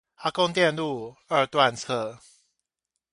阿公店路二段側